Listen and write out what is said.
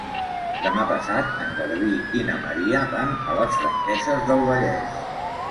Demà passat en Garbí i na Maria van a les Franqueses del Vallès.